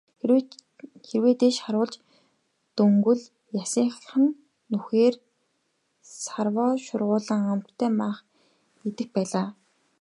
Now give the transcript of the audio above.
Хэрэв дээш харуулж дөнгөвөл ясных нь нүхээр савраа шургуулан амттай мах идэх байлаа.